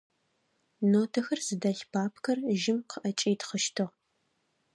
Нотэхэр зыдэлъ папкэр жьым къыӏэкӏитхъыщтыгъ.